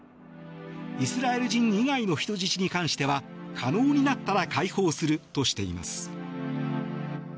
イスラエル人以外の人質に関しては可能になったら解放するとしています。